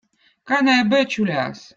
kana eb õõ čüläz